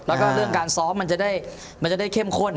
แล้วก็เรื่องการซ้อมมันจะได้เข้มข้น